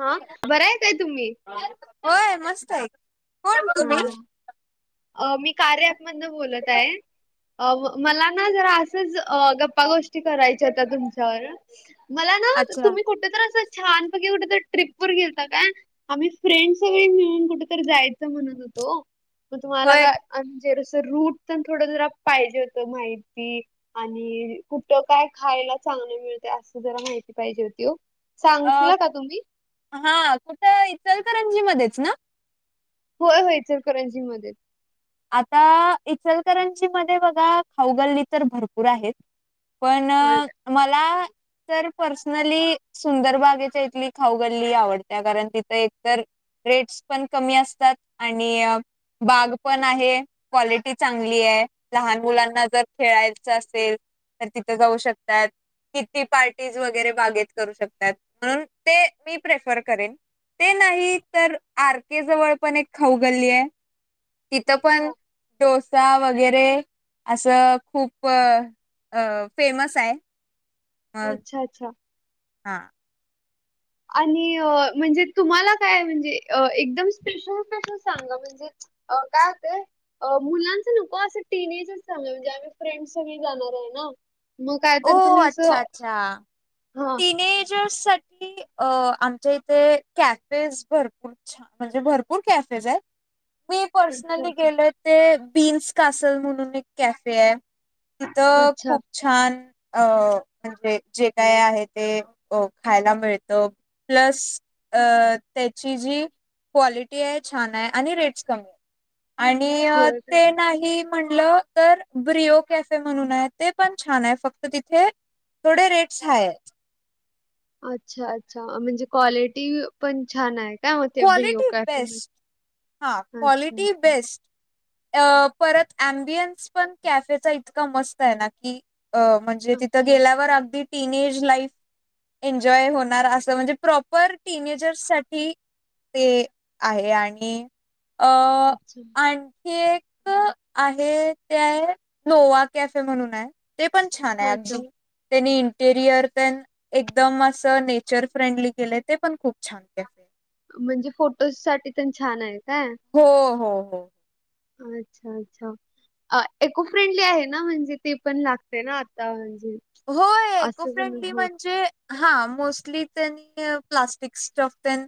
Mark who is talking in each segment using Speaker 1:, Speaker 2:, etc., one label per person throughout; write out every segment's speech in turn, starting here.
Speaker 1: ह बरायं काय तुम्ही?
Speaker 2: होय मस्त आहे. कोण
Speaker 1: हा,
Speaker 2: तुम्ही
Speaker 1: अ मी कार्या अँप मधनं बोलत आहे. अ मला ना जरा असंच गप्पा गोष्टी करायच्या होत्या तुमच्या वरून. मला ना
Speaker 2: अच्छा
Speaker 1: तुम्ही कुठ कुठतर असं छान पैकी कुठतरी ट्रिप वर गेलता काय? आम्ही फ्रेंडस सगळे मिळून कुठतरी जाय चं म्हणत होतो. पण तुम्हाला
Speaker 2: होय
Speaker 1: काय अन च्यानुसार रूट पण थोडं जरा पाहिजे होतं माहिती. आणि कुठ काय खायला चांगलं मिळते. असं जरा माहिती पाहिजे होती ओ. सांगशीला का तुम्ही?
Speaker 2: हां कुठं इचलकरंजीत मध्येचं नां.
Speaker 1: होयं होयं ईचलकरंजीमध्येचं.
Speaker 2: आंता इचलकरांजी मध्यें बघां खाऊगल्ली तरं भरंपूर आहेतं.
Speaker 1: होय.
Speaker 2: पणं मलां. तरं पर्सनली सुंदर बागेच्या इथली खाऊगल्ली आवडत्यां कारणं तिथं एकतरं रेटसं पणं कमी असतांत आणि बाग पणं आहे क्वालिटी चांगली आहे लहांन मुलांना जरं खेळायचं असेलं तरं तिथं जाऊं शकतांत. टी टी पार्टीज वगैरें बागेत करूं शकतांत म्हणूंन ते मी प्रेफर करेनं. ते नाहीं तरं आर के जवळं पणं एक खाऊ गल्ली आहे तिथं पणं
Speaker 1: अच्छा
Speaker 2: डोसा वगैरें असं खूंप फ्रेम्स आहे.
Speaker 1: अच्छा.. अच्छा..
Speaker 2: हां.
Speaker 1: आणि म्हणजे तुम्हांला कायं म्हणजे एकदंम स्पेशल स्पेशल सांगा म्हणजे अं कायं होतयं. मुलांच नको असं टीनेजच चांगलं म्हणजे आम्हीं फ्रेंड सगळे जाणारं आहे नां
Speaker 2: ओ अच्छा अच्छा
Speaker 1: हा
Speaker 2: तिने जसं अं आमच्यां इथे कॅफेज भरंपूर अच्छा म्हणजे भरंपूर कॅफेज आहेतं मी
Speaker 1: अच्छा
Speaker 2: पर्सनली
Speaker 1: अच्छा
Speaker 2: गेले ते बीन्स कासंल म्हणूंन एक कॅफे आहे तिथं
Speaker 1: अच्छा
Speaker 2: खुंप छांन अं म्हणजे जे कायं आहे ते अं खांयला मिळतं प्लसं अं त्यांची जी क्वालिटी आहे छांन आहे आणि रेंट कमी आहे आणि
Speaker 1: होय काय
Speaker 2: ते नाहीं म्हटलं तरं ब्रिओ कॅफे म्हणूंन आहे ते पणं छांन आहे फक्तं तरं तिथे थोडे रेट्स हांय आहेतं
Speaker 1: अच्छा अच्छा म्हणजे क्वालिटी पणं छांन आहे काय मग ते व्हिडिओ
Speaker 2: क्वालिटी
Speaker 1: कॅफेमध्ये
Speaker 2: बेस्टं हां
Speaker 1: अच्छा
Speaker 2: क्वालिटी
Speaker 1: अच्छा
Speaker 2: बेस्टं अं परंत अम्बियन्स पणं कॅफेचा इतकां मस्तं आहे नां की अं म्हणजे तिथं
Speaker 1: अच्छा
Speaker 2: गेल्यांवरं अगदीं टीनेज लाईफ एन्जॉय होणारं असं म्हणजे प्रॉपर टीनेजर्स सांठी ते आहे आणि अं
Speaker 1: अच्छा
Speaker 2: आणि हि एक आहे ते आहे नोवा कॅफे म्हणूंन आहे ते पणं छांन
Speaker 1: अच्छा
Speaker 2: अगदीं त्यांनी इंटेरियर पणं एकदंम असं नेचर फ्रेंडली केले ते पणं खूंप छांन आहे
Speaker 1: म्हणजे फोटोज सांठी पणं छांन आहे कायं
Speaker 2: हो हो हो
Speaker 1: अच्छा अच्छा अं इको फ्रेंडली आहे नां म्हणजे ते पणं लागते नां आंता म्हणजे
Speaker 2: होयं इको
Speaker 1: असं पण
Speaker 2: फ्रेंडली
Speaker 1: हो
Speaker 2: म्हणजे हां मोस्टली त्यांनी प्लास्टिक स्टंफ त्यानं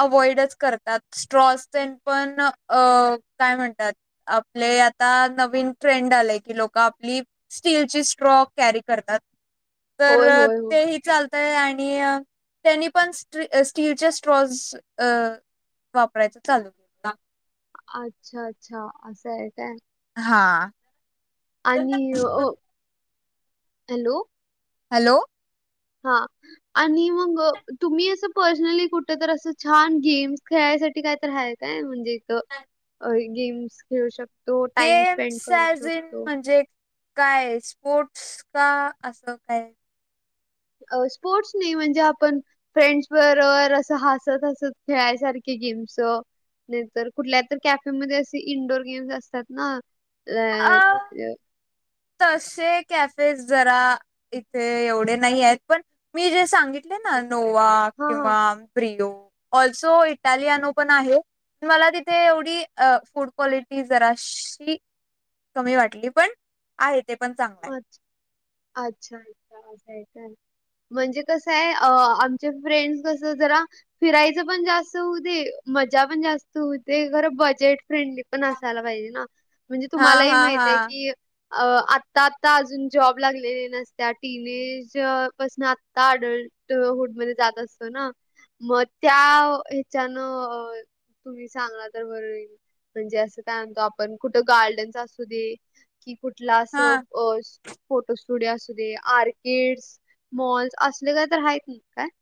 Speaker 2: अव्हाइडचं करतांत स्ट्रॉस पणं अं कायं म्हणतांत आपले आंता नवीन ट्रेंड आलंय की लोकं आपली स्टीलची स्ट्रॉ कॅरी करतांत
Speaker 1: होय
Speaker 2: तरं
Speaker 1: होय हो
Speaker 2: ते विचारं ते आणि त्यांनी पणं स्टीलचे स्ट्रॉ अं वापरायचं चालू
Speaker 1: अच्छा अच्छा असं आहे काय
Speaker 2: हा
Speaker 1: आणि अह हॅलो
Speaker 2: हॅलो!
Speaker 1: हा. आणि मग अह तुम्ही असं पर्सनली कुठ तर असं छान गेम्स खेळायसाठी काय तरी आहे काय म्हणजे इथ गेम्स खेळू शक
Speaker 2: गेम्स साजन म्हणजे काय स्पोर्टस का असं काय?
Speaker 1: अह स्पोर्ट्स नाही म्हणजे आपण फ्रेंड्स बरोबर असं हसत हसत खेळायसारखे गेम्स नाही तर कुठल्या तर कॅफेमध्ये असे इंडोअर गेम्स असतात ना आह
Speaker 2: अ
Speaker 1: अह
Speaker 2: तसे कॅफेज जरा इथे एवढे नाही आहेत पण मी जे सांगित है ना नोवा
Speaker 1: हा हा
Speaker 2: किंवा प्रिओ ऑल्सो इटालियन ओ पण आहे मला तिथे एवढी अह फूड क्वालिटी जराशी कमी वाटली पण आहे ते पण चांगलं आहे.
Speaker 1: अच्छा अच्छा हो काय तर म्हणजे कसं आहे अह आमचे फ्रेंड् कस जरा फिरायचं पण जास्त होते मजा पण जास्त होते खरं बजेट फ्रेंडली पण असायला पाहिजे ना म्हणजे
Speaker 2: हा
Speaker 1: तुम्हालाही
Speaker 2: हा हा
Speaker 1: माहितय की अह आ आता आता अजून जॉब लागलेल्या नसत्या टीनेज पासन आता अडल्ट ल्ट हुड मध्ये जात असतो ना मग त्या ह्याच्यान तुम्ही सांगला तर [unintelligible] म्हणजे असं काय म्हणतो आपण कुठं गार्डनस असू दे कि कुठला
Speaker 2: हा
Speaker 1: असं अह फोटो स्टुडिओ असू दे, आर्किड्स मॉल्स असले काय तर हाय [unintelligible]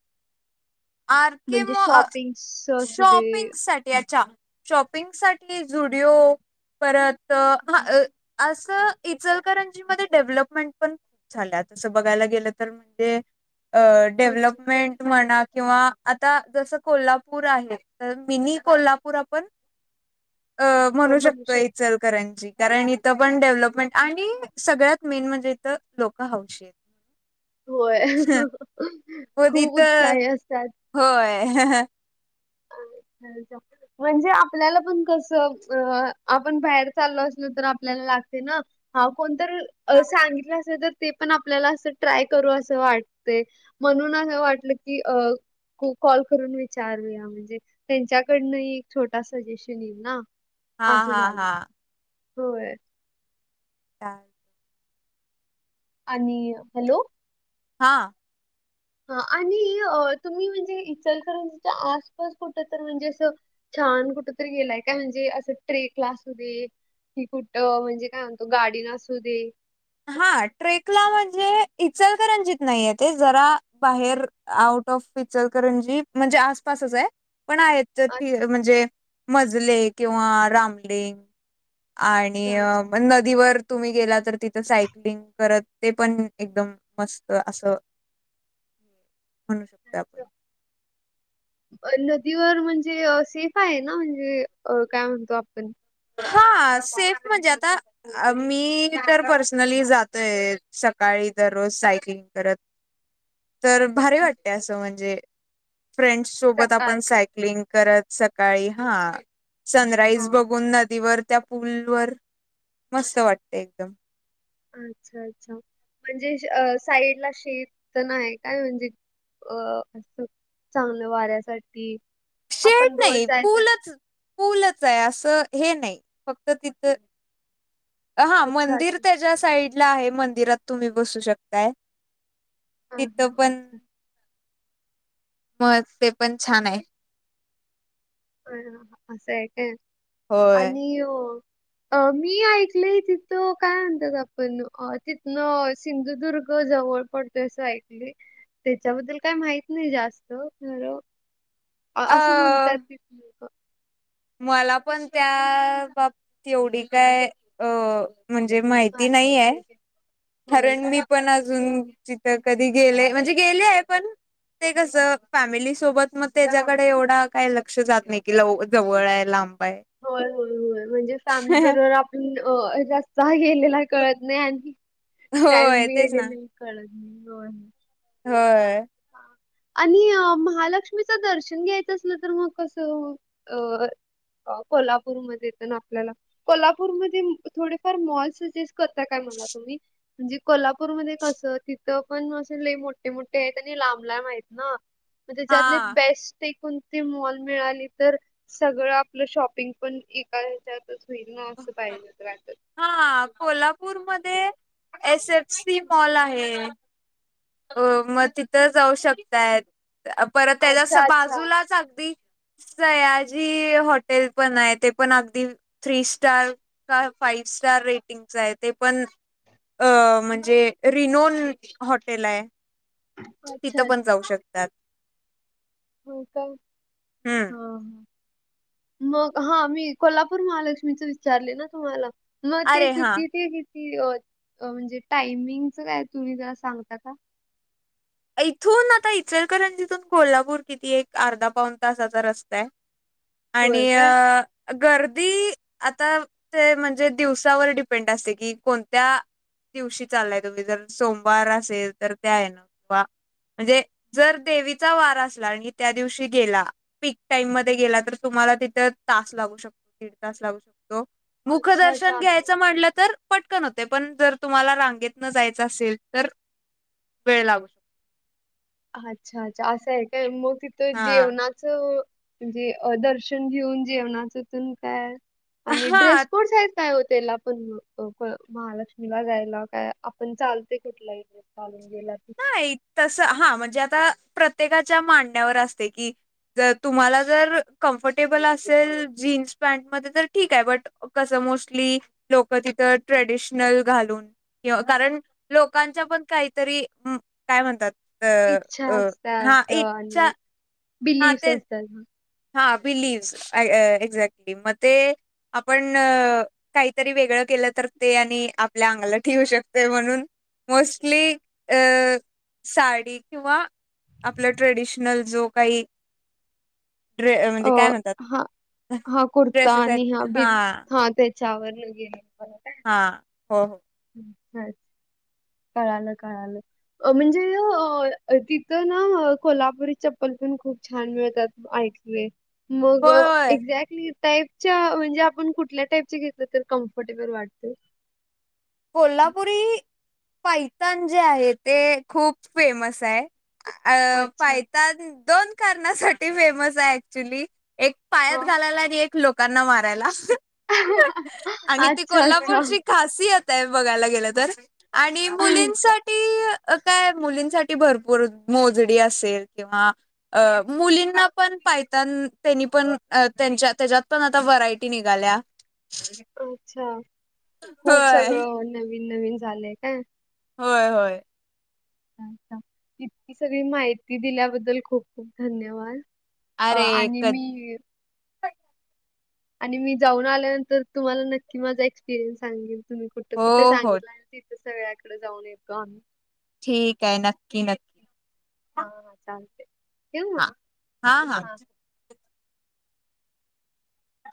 Speaker 2: आर के मॉ अह
Speaker 1: शॉपिंग्स असू दे
Speaker 2: शॉपिंगसाठी अच्छा शॉपिंग साठी झुडीओ परत अह हम्म अह असं इचलकरंजी मध्ये डेव्हलपमेंट पण झाल्यात अह अस बघायला गेलं तर ते अह
Speaker 1: अच्छा
Speaker 2: डेव्हलपमेंट म्हणा किंवा आता जस कोल्हापूर आहे तर मिनी कोल्हापूर आपण अह म्हणू शकतो इचल करांची कारण इथं पण डेव्हलपमेंट आणि सगळ्यात मेन म्हणजे इथं लोकं हौशी आहेत.
Speaker 1: होय
Speaker 2: हो
Speaker 1: खूप
Speaker 2: इथं
Speaker 1: उत्साही असतात.
Speaker 2: होय.
Speaker 1: [inaudible] म्हणजे आपल्याला पण कस अह आपण बाहेर चाललो असल तर आपल्याला लागते ना हाव कोणतरी अह सांगितलं असेल तर ते पण आपल्याला असं ट्राय करू अस वाटते म्हणून असं वाटलं की अह की कॉल करून विचारूया म्हणजे त्यांच्याकडनही एक छोटा सजेशन येईल ना
Speaker 2: हा
Speaker 1: असं
Speaker 2: हा
Speaker 1: झालं
Speaker 2: हा.
Speaker 1: होय.
Speaker 2: [inaudible]
Speaker 1: आणि हॅलो
Speaker 2: हा.
Speaker 1: हा आणि तुम्ही म्हणजे इचलकरंजीच्या आसपास कुठ तर म्हणजे असं छान कुठ तरी गेलाय का म्हणजे असं ट्रेकला असं तेन? की कुठं म्हणजे काय म्हणतो गाडीन असू दे
Speaker 2: हा ट्रेकला म्हणजे इचलकरंजीत नाहीय ते, जरा बाहेर आऊट ऑफ ईचलकरंजी म्हणजे आसपासच आहे, पण आहेत. जर
Speaker 1: अच्छा
Speaker 2: ते म्हणजे मजले किंवा रामलिंग आणि
Speaker 1: अच्छा अच्छा
Speaker 2: म न दीवर तुम्ही गेला तर तिथं सायकलिंग करत ते पण एकदम मस्त असं म्हणू शकतोय
Speaker 1: अच्छा.
Speaker 2: आपण
Speaker 1: नदीवर म्हणजे सेफ आहे ना, म्हणजे काय म्हणतो आपण
Speaker 2: हा सेफ म्हणजे आता मी तर पर्सनली जातोय सकाळी दररोज सायकलिंग करत. तर भारी वाटतय अस म्हणजे फ्रेश. सोबत आपण
Speaker 1: सकाळच्या
Speaker 2: सायकलिंग करत सकाळी हा
Speaker 1: हां
Speaker 2: सनराईज
Speaker 1: हां.
Speaker 2: बघुन न दीवर त्या, पूलवर मस्त वाटत एकदम.
Speaker 1: अच्छा अच्छा म्हणजे अ साईडला शेत तेण आहे काय म्हणजे? अ अस चांगलं वाऱ्यासाठी आपण
Speaker 2: शेत
Speaker 1: रोज
Speaker 2: नाही
Speaker 1: जायसाठी
Speaker 2: पूलच, पूलच आहे असं हे नाही फक्त तिथं हा
Speaker 1: अच्छा
Speaker 2: मंदिर
Speaker 1: अच्छा
Speaker 2: त्याच्या साईडला आहे, मंदिरात तुम्ही बसू शकताय.
Speaker 1: हां
Speaker 2: तिथं
Speaker 1: हां
Speaker 2: पण
Speaker 1: अच्छा
Speaker 2: हो ते पण छान आहे.
Speaker 1: अ असं आहे काय
Speaker 2: होय
Speaker 1: आणि अं अ मी ऐकले तिथं काय म्हणतात, आपण तिथनं सिंधुदुर्ग जवळ पडतोय असं ऐकलंय, त्याच्याबद्दल काय माहित नाही जास्त अं
Speaker 2: अ
Speaker 1: असं म्हणतात कि, तिथली लोकं
Speaker 2: मला पण त्या बाबतीत एवढी काय अ म्हणजे माहिती नाही आहे.
Speaker 1: होय
Speaker 2: कारण
Speaker 1: काय
Speaker 2: मी पण अजून तिथं कधी गेले म्हणजे गेले आहे पण, ते कसं फॅमिली सोबत, मग त्याच्याकडे एवढा काही लक्ष जात नाही कि लव जवळ आहे, लांब आहे.
Speaker 1: होय होय होय, म्हणजे फॅमिली बरोबर आपण जास्त गेलेला कळत नाही आणखी टाईम
Speaker 2: होय
Speaker 1: बी
Speaker 2: तेच ना
Speaker 1: गेलेला कळत नाही, होय.
Speaker 2: होय
Speaker 1: हा. आणि महालक्ष्मीचं दर्शन घ्यायचं असलं तर मग कसं? अं कोल्हापूरमध्ये तर ना आपल्याला कोल्हापूरमध्ये थोडेफार मॉल्स करता काय मला तुम्ही म्हणजे कोल्हापूर मध्ये कसं तिथ पण असे लई मोठे मोठे आहेत. आणि लांब लांब आहेत ना त्याच्यात
Speaker 2: हा
Speaker 1: बेस्ट ते कोणते मॉल मिळाली तर सगळं आपलं शॉपिंग पण एका ह्याच्यात होईल न असं पाहिजे होतं वाटत.
Speaker 2: हा कोल्हापूरमध्ये एस एफ सी मॉल आहे. अ मग तिथं जाऊ शकतायत, परत त्याच्या
Speaker 1: अच्छा अच्छा.
Speaker 2: बाजूलाच अगदी सयाजी हॉटेल पण आहे ते पण अगदी थ्री स्टार का फाईव्ह स्टार रेटिंगच आहे ते पण. अ म्हणजे रिनोन हॉटेल आहे.
Speaker 1: अच्छा
Speaker 2: तिथं पण
Speaker 1: अच्छा.
Speaker 2: जाऊ शकतात.
Speaker 1: हो काय
Speaker 2: हम्म
Speaker 1: हा ह. मग हा मी कोल्हापूर महालक्ष्मीच विचारले ना तुम्हाला मग ते
Speaker 2: अरे हा
Speaker 1: किती ते. म्हणजे टायमिंगच काय तुम्ही जरा सांगता का?
Speaker 2: इथून आता इचलकरंजीतुन कोल्हापूर किती एक अर्धा पाऊन तासाचा रस्ता आहे.
Speaker 1: [inaudible]
Speaker 2: आणि
Speaker 1: काय?
Speaker 2: अ. गर्दी आता ते म्हणजे दिवसावर डिपेंड असते की कोणत्या. दिवशी चाललाय तुम्ही जर सोमवार असेल तर त्या हेना. व्हा. म्हणजे जर देवीचा वार असला आणि त्या दिवशी गेला. पीक टाइम मध्ये गेला तर तुम्हाला तिथं तास लागू शकतो दीड तास लागू शकतो. मुख
Speaker 1: अच्छा,
Speaker 2: दर्शन
Speaker 1: अच्छा असं आहे.
Speaker 2: घ्यायचं म्हणलं तर. पटकन होते पण जर तुम्हाला रांगेत न जायचं असेल तर वेळ लागू शकतो?
Speaker 1: अच्छा! अच्छा! असं आहे काय मग तिथं
Speaker 2: हा
Speaker 1: जेवणा. जेवणाच म्हणजे दर्शन घेऊन जेवणाच आणि ते काय. आणि
Speaker 2: हा
Speaker 1: ड्रेस कोडस आहेत. काय होतला पण महालक्ष्मीला जायला काय आपण चालते कुठलाही ड्रेस. घालून गेला की
Speaker 2: तस हा म्हणजे आता प्रत्येकाच्या माणण्यावर असते की. जर तुम्हाला जर कम्फर्टेबल असेल जीन्स पॅन्ट तर ठीक आहे. कसं मोस्टली लोक तिथं ट्रेडिशनल घालून. कि कारण लोकांच्या पण काहीतरी काय म्हणतात.
Speaker 1: इच्छा
Speaker 2: अ अ हा
Speaker 1: असतात
Speaker 2: इच्छा
Speaker 1: आणि
Speaker 2: हा
Speaker 1: बिलीफ
Speaker 2: ते
Speaker 1: असतात.
Speaker 2: हा बिलीव्हस एक्झॅक्टली मग ते आपण काहीतरी वेगळं केलं तर ते आणि आपल्या अंगलट येऊ शकतय म्हणून? मोस्टली अ साडी किंवा आपला ट्रेडिशनल जो काही ड्रे
Speaker 1: अ
Speaker 2: म्हणजे काय म्हणतात
Speaker 1: हा हा कुर्ता
Speaker 2: ड्रेसेस
Speaker 1: आणि
Speaker 2: आहेत
Speaker 1: हा बि हा त्या चावर न घे ब
Speaker 2: हा हो हो
Speaker 1: आहेत. कळालं कळालं? म्हणजे तिथं ना कोल्हापुरी चप्पल पण खूप छान मिळतात? ऐकले मग
Speaker 2: होय होय
Speaker 1: एक्झॅक्ट क टाईपच्या म्हणजे आपण कुठल्या टाईपच्या घेतलं तर कम्फर्टेबल वाटत?
Speaker 2: कोल्हापुरी पैतान जे आहे ते खूप फेमस आहे. अ
Speaker 1: अच्छा
Speaker 2: पायतान दोन कारणासाठी फेमस आहे ऍक्च्युली एक पायात
Speaker 1: हा
Speaker 2: घालायला आणि एक लोकांना मारायला आणि ती
Speaker 1: अच्छा अच्छा
Speaker 2: कोल्हापूरची खासीयत आहे बघायला गेलं तर आणि
Speaker 1: अच्छा
Speaker 2: मुलींसाठी त काय मुलींसाठी भरपूर मोजडी असेल किंवा अ मुलींना पण पायतान त्यांनी पण त्यांच्या त्याच्यात पण आता व्हरायटी निघाल्या? हम्म
Speaker 1: अच्छा! खूप सगळं नवीन नवीन झालंय काय.
Speaker 2: व्हय होय.
Speaker 1: ईतकी सगळी माहिती दिल्याबद्दल खूप- खूप धन्यवाद. अं
Speaker 2: अरे
Speaker 1: आणि
Speaker 2: क
Speaker 1: मी आणि मी आल्यानंतर तुम्हाला नक्की माझा एक्सपिरियन्स सांगेल. तुम्ही कुठं
Speaker 2: हो
Speaker 1: कुठं
Speaker 2: हो
Speaker 1: सांगितलं सगळ्याकड जाऊन येतो आम्ही.
Speaker 2: ठीक आहे, नक्की- नक्की.
Speaker 1: हाव ना चालते.
Speaker 2: हा, हां- हां.